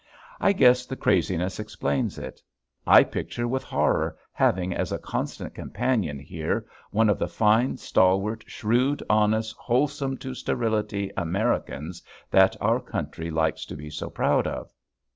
I guess the craziness explains it. I picture with horror having as a constant companion here one of the fine, stalwart, shrewd, honest, wholesome to sterility Americans that our country likes to be so proud of.